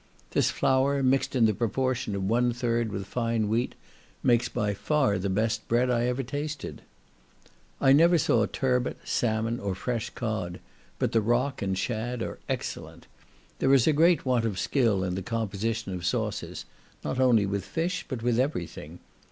This flour, mixed in the proportion of one third with fine wheat, makes by far the best bread I ever tasted. I never saw turbot, salmon, or fresh cod; but the rock and shad are excellent. There is a great want of skill in the composition of sauces; not only with fish, but with every thing.